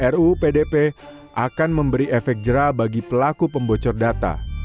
ru pdp akan memberi efek jerah bagi pelaku pembocor data